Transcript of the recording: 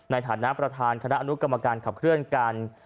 ในฐานะประธานคณะอนุกรรมการขับเคลื่อนการ